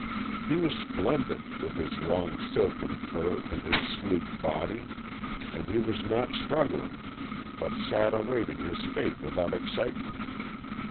He was splendid, with his long silken fur and his sleek body, and he was not struggling, but sat awaiting his fate without excitement.